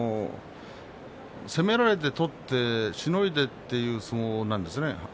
攻められて取ってしのいでという相撲なんですね。